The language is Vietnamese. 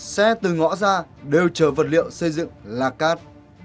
xe từ ngõ ra đều chở vật liệu xây dựng lạc cát